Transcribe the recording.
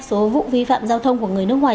số vụ vi phạm giao thông của người nước ngoài